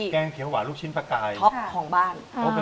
แกงเขียวหวานลูกชิ้นปลากายนี่คือได้ยินทั่วไป